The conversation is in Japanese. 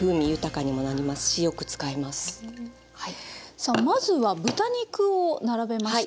さあまずは豚肉を並べました。